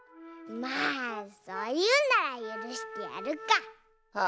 まあそういうならゆるしてやるか。